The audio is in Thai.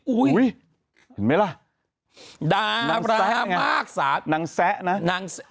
อุ้ยเห็นมั้ยล่ะดารามากสาม้วมนางแซ๊กนะ